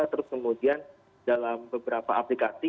terus kemudian dalam beberapa aplikasi